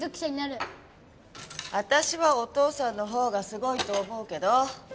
私はお父さんのほうがすごいと思うけど。